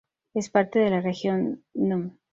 Es parte de la región No.